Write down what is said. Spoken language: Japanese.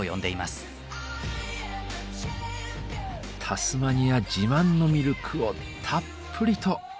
タスマニア自慢のミルクをたっぷりと。